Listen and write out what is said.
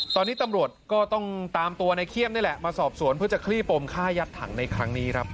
ตอนนี้ตำรวจก็ต้องตามตัวในเขี้ยมนี่แหละมาสอบสวนเพื่อจะคลี่ปมฆ่ายัดถังในครั้งนี้ครับ